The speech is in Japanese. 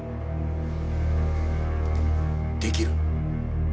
できる。